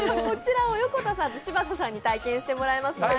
こちらを横田さんと嶋佐さんに体験してもらいます。